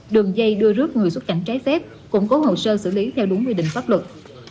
đường dây đưa rước người xuất cảnh trái phép củng cố hồ sơ xử lý theo đúng quy định pháp luật